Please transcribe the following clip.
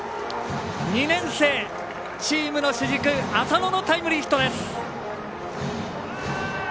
２年生、チームの主軸浅野のタイムリーヒットです。